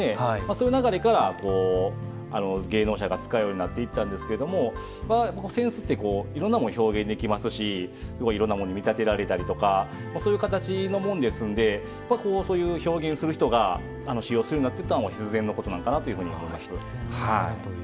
その流れから芸能者が使うようになっていったんですが扇子っていろんなものを表現できますしいろんなものに見立てられたりとかそういう形のものなのでそういう表現する人が使用するものっていったら必然のことなのかなと思います。